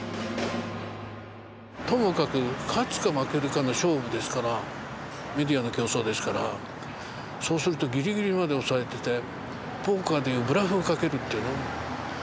ともかく勝つか負けるかの勝負ですからメディアの競争ですからそうするとギリギリまで押さえててポーカーでいうブラフをかけるっていうの？